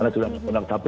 karena sudah mengontrak